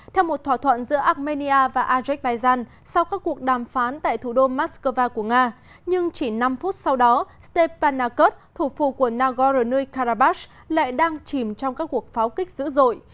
theo một thỏa thuận giữa armenia và azerbaijan sau các cuộc đàm phán tại thủ đô moscow của nga nhưng chỉ năm phút sau đó stepanakus thủ phủ của nagorno karabakh lại đang chìm trong các cuộc pháo kích dữ dội